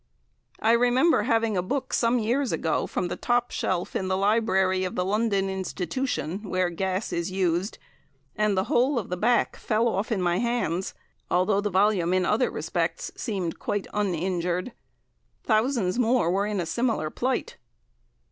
I remember having a book some years ago from the top shelf in the library of the London Institution, where gas is used, and the whole of the back fell off in my hands, although the volume in other respects seemed quite uninjured. Thousands more were in a similar plight.